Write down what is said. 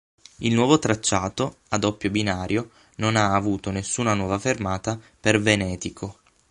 Il nuovo tracciato, a doppio binario, non ha avuto nessuna nuova fermata per Venetico.